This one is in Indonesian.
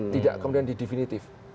tidak kemudian di definitif